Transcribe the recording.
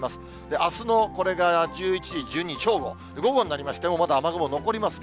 あすのこれが１１時、１２時、正午、午後になりましても、まだ雨雲残りますね。